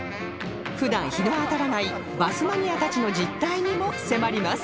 普段日の当たらないバスマニアたちの実態にも迫ります